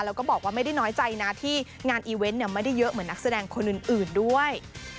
แล้วก็บอกว่าไม่ได้น้อยใจนะที่งานอีเวนต์ไม่ได้เยอะเหมือนนักแสดงคนอื่นด้วย